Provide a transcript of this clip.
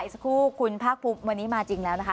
สักครู่คุณภาคภูมิวันนี้มาจริงแล้วนะคะ